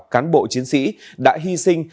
cán bộ chiến sĩ đã hy sinh